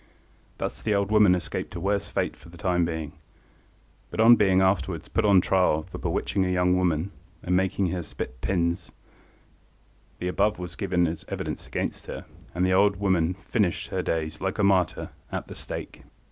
Thus the old woman escaped a worse fate for the time being, but on being afterwards put on trial for bewitching a young woman, and making her spit pins, the above was given as evidence against her, and the old woman finished her days, like a martyr, at the stake.